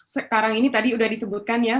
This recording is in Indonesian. sekarang ini tadi sudah disebutkan ya